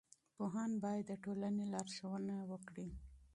پوهان باید د ټولنې لارښوونه وکړي.